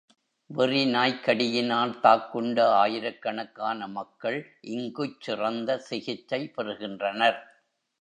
வெறி நாய்க் கடியினால் தாக்குண்ட ஆயிரக் கணக்கான மக்கள் இங்குச் சிறந்த சிகிச்சை பெறுகின்றனர்.